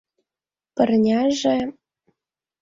— Пырняже...